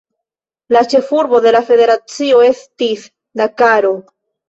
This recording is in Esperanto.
La ĉefurbo de la federacio estis Dakaro.